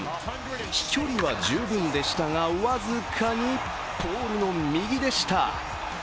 飛距離は十分でしたが、僅かにポールの右でした。